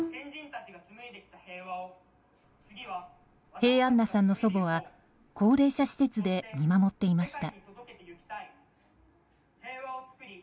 平安名さんの祖母は高齢者施設で見守っていました。